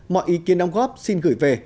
mọi ý kiến đóng góp xin gửi về